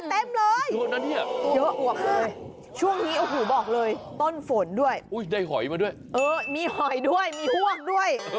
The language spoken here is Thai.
เยอะหวกเลยช่วงนี้อุ้ยบอกเลยต้นฝนด้วยโอ้ยได้หอยมาด้วยเออมีหอยด้วยมีฮวกด้วย